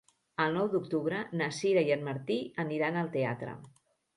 El nou d'octubre na Sira i en Martí aniran al teatre.